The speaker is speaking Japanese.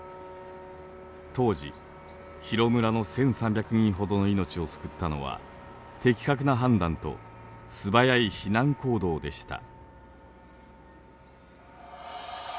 当時広村の１，３００人ほどの命を救ったのは的確な判断と素早い避難行動でした。